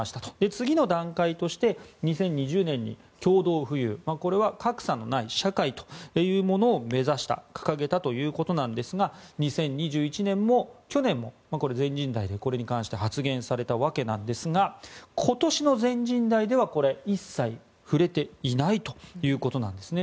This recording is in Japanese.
次の段階として２０２０年に共同富裕これは格差のない社会というものを目指した掲げたということなんですが２０２１年も去年も全人代でこれに関して発言されたわけなんですが今年の全人代では一切触れていないということなんですね。